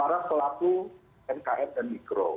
para pelaku nks dan mikro